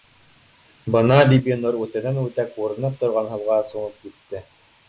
Бына Бибинур үтәнән-үтә күренеп торған һыуға сумып китте